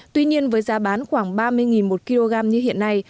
tuy nhiên với giá bán khoảng ba mươi một kg như hiện nay